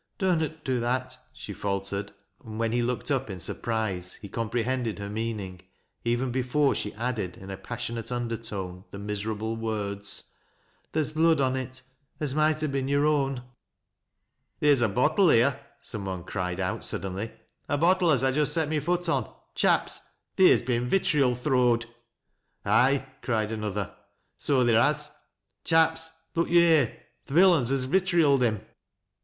" Dunnot do that," she faltered, and when he looked up in surprise, he comprehended her meaning, even before she added, in a passionate undertone, the miserable words :" Ther's blood on it, as might ha' bin yore own." " Theer's a bottle here," some one cried out suddenly. " A bottle as I just set my foot on. Chaps, theer's been ritriol throwed." " Ay," cried another, " so theer has ; chaps, look yo' here. Th' villains has vitrioled him."